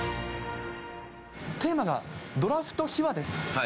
テーマがドラフト秘話です。